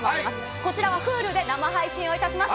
こちらはＨｕｌｕで生配信を致します。